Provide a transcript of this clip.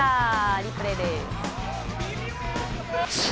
リプレイです。